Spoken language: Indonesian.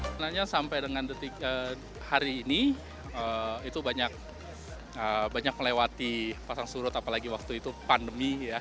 sebenarnya sampai dengan detik hari ini itu banyak melewati pasang surut apalagi waktu itu pandemi ya